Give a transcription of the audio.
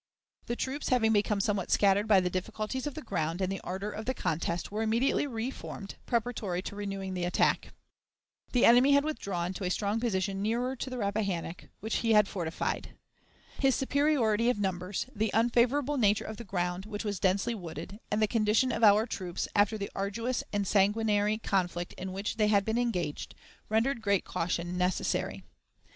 The troops, having become somewhat scattered by the difficulties of the ground and the ardor of the contest, were immediately reformed, preparatory to renewing the attack. The enemy had withdrawn to a strong position nearer to the Rappahannock, which he had fortified. His superiority of numbers, the unfavorable nature of the ground, which was densely wooded, and the condition of our troops, after the arduous and sanguinary conflict in which they had been engaged, rendered great caution necessary.